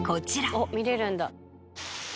あっ見れるんだ。